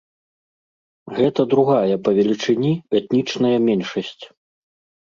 Гэта другая па велічыні этнічная меншасць.